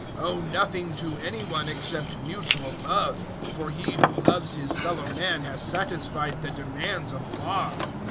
013:008 Owe nothing to any one except mutual love; for he who loves his fellow man has satisfied the demands of Law.